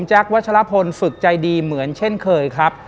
วัชลพลฝึกใจดีเหมือนเช่นเคยครับ